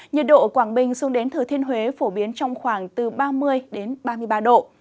nhiệt độ quảng bình xuống đến thừa thiên huế phổ biến trong khoảng từ ba mươi ba mươi ba độ